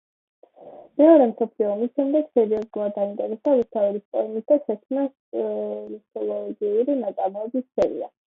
მეორე მსოფლიო ომის შემდეგ სერიოზულად დაინტერესდა რუსთაველის პოემით და შექმნა რუსთველოლოგიური ნაშრომების სერია.